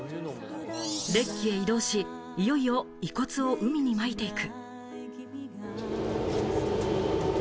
デッキへ移動し、いよいよ遺骨を海に撒いていく。